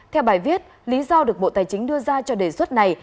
theo bài viết lý do được bộ tài chính đưa ra cho đề xuất này